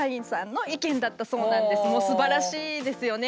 もうすばらしいですよね。